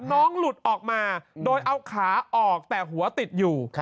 น้องหลุดออกมาโดยเอาขาออกแต่หัวติดอยู่